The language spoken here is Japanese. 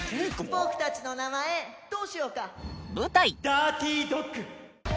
ボクたちの名前どうしようか？